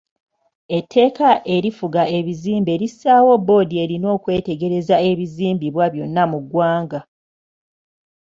Etteeka erifuga ebizimbe lissaawo boodi erina okwetegereza ebizimbibwa byonna mu ggwanga.